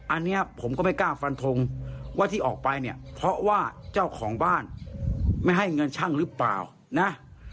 อันนี้ผมก็ไม่กล้าฟันทงว่าที่ออกไปเนี่ยเพราะว่าเจ้าของบ้านไม่ให้เงินช่างหรือเปล่านะ